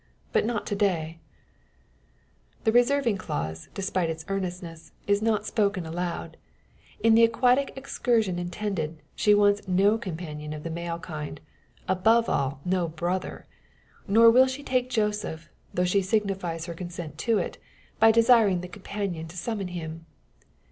But not to day." The reserving clause, despite its earnestness, is not spoken aloud. In the aquatic excursion intended, she wants no companion of the male kind above all, no brother. Nor will she take Joseph; though she signifies her consent to it, by desiring the companion to summon him.